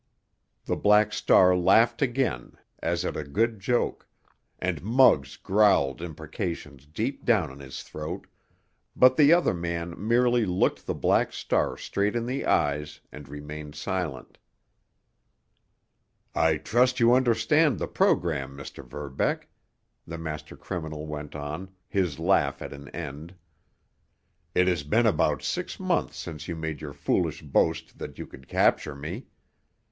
The Black Star laughed again as at a good joke, and Muggs growled imprecations deep down in his throat, but the other man merely looked the Black Star straight in the eyes and remained silent. "I trust you understand the program, Mr. Verbeck," the master criminal went on, his laugh at an end. "It has been about six months since you made your foolish boast that you could capture me.